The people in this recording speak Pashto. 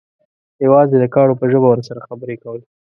یوازې د کاڼو په ژبه ورسره خبرې کولې.